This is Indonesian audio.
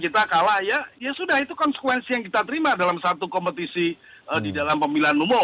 dua ribu empat dua ribu sembilan kita kalah ya ya sudah itu konsekuensi yang kita terima dalam satu kompetisi di dalam pemilu reformasi